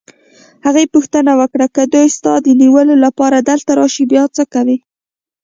هغې پوښتنه وکړه: که دوی ستا د نیولو لپاره دلته راشي، بیا څه کوې؟